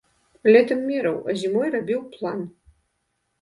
Летам мераў, а зімой рабіў план.